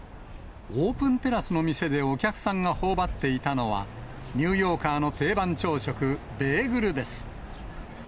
オープンテラスのお店でお客さんがほおばっていたのは、ニューヨーカーの定番朝食、ベーグルです。